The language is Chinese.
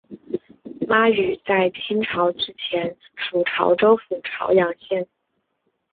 妈屿在清朝之前属潮州府潮阳县。